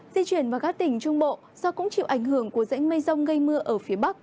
di chuyển vào các tỉnh trung bộ do cũng chịu ảnh hưởng của rãnh mây rông gây mưa ở phía bắc